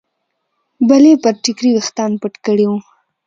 بلې پر ټیکري ویښتان پټ کړي وو.